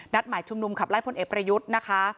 หมายชุมนุมขับไล่พลเอกประยุทธ์นะคะ